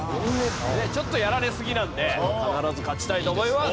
ちょっとやられすぎなんで必ず勝ちたいと思います！